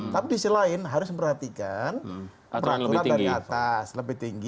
tapi di sisi lain harus memperhatikan peraturan dari atas lebih tinggi